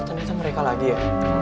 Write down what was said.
ternyata mereka lagi ya